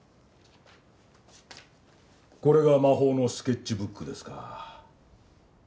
これが魔法のスケッチブックですか。